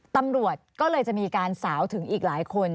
ตำรวจก็เลยจะมีการสาวถึงอีกหลายคน